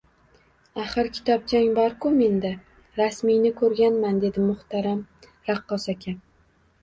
Axir kitobchang, borku menda, rasmingni ko`rganman, dedi muhtaram raqqos aka